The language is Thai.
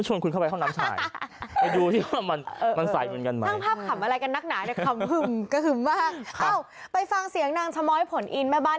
จริงไหมคุณกัศนัยแต่คุณเคยเข้าห้องน้ำหญิงเหรอคุณเข้าห้องน้ำหญิงเหรอ